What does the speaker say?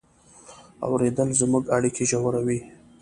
اورېدل زموږ اړیکې ژوروي.